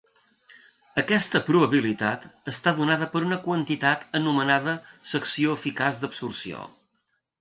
Aquesta probabilitat està donada per una quantitat anomenada secció eficaç d'absorció.